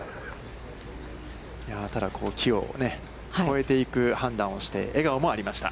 ただ木を越えていく判断をして、笑顔もありました。